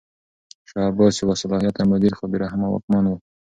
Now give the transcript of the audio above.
شاه عباس یو باصلاحیته مدیر خو بې رحمه واکمن و.